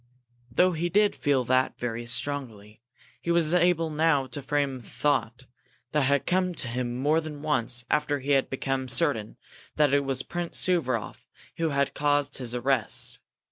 Though he did feel that very strongly, he was able now to frame a thought that had come to him more than once after he had become certain that it was Prince Suvaroff who had caused his arrest.